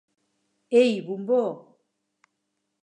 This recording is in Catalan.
Ei, bombó!